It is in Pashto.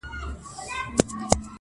خو د ښکار یې په هیڅ وخت کي نسته ګټه-